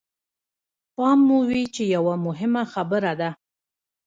پام مو وي چې يوه مهمه خبره ده.